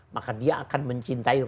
maka dia akan mencintai